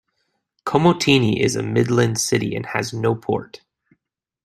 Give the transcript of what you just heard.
Komotini is a midland city and has no port.